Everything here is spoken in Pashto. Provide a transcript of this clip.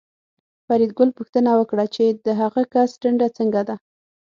فریدګل پوښتنه وکړه چې د هغه کس ټنډه څنګه ده